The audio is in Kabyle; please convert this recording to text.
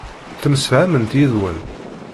Ttemsefhament yid-wen.